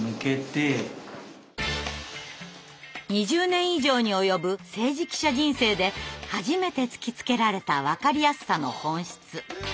２０年以上に及ぶ政治記者人生で初めて突きつけられた「わかりやすさ」の本質。